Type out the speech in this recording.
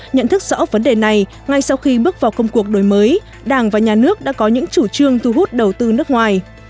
nhận thức rõ vấn đề này ngay sau khi bước vào công cuộc đổi mới đảng và nhà nước đã có những chủ trương thu hút đầu tư nước ngoài